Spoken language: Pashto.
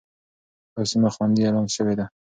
دا سيمه خوندي اعلان شوې ده.